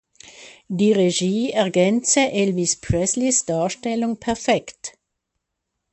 Die Regie ergänze Elvis Presleys Darstellung perfekt.